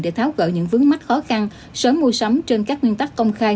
để tháo gỡ những vướng mắt khó khăn sớm mua sắm trên các nguyên tắc công khai